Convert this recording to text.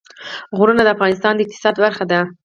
غرونه د افغانستان د اقتصاد برخه ده.